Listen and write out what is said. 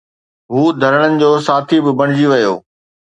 هو ڌرڻن جو ساٿي به بڻجي ويو.